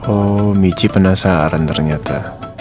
oh michi penasaran ternyata